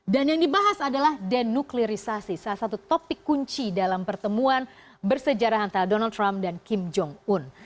yang dibahas adalah denuklirisasi salah satu topik kunci dalam pertemuan bersejarah antara donald trump dan kim jong un